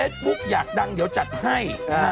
เฟซบุ๊กอยากดังเดี๋ยวจัดให้